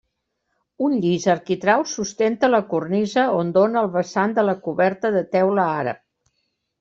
Un llis arquitrau sustenta la cornisa, on dóna el vessant de la coberta de teula àrab.